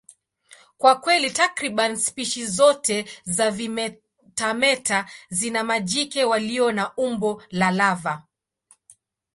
Kwa kweli, takriban spishi zote za vimetameta zina majike walio na umbo la lava.